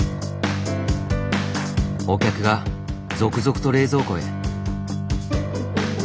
お客が続々と冷蔵庫へ。